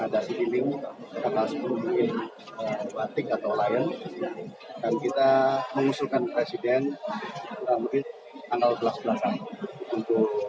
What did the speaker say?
dan kita mengusulkan presiden mungkin tanggal dua belas tiga belas untuk diresmikan